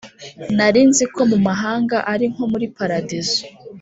Narinziko mumahanga ari nko muri paradizo